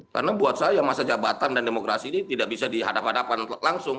karena buat saya masa jabatan dan demokrasi ini tidak bisa dihadap hadapan langsung